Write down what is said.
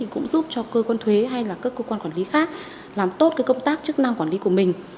cũng giúp cho cơ quan thuế hay là các cơ quan quản lý khác làm tốt công tác chức năng quản lý của mình